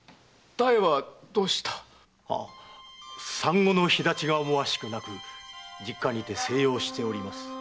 妙はどうした？は産後の肥立ちが思わしくなく実家にて静養しております。